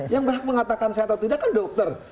yang berhak mengatakan sehat atau tidak kan dokter